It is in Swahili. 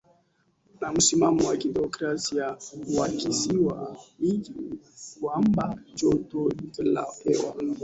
Msimamo wa kijiografia wa kisiwa hiki ni kwamba joto la hewa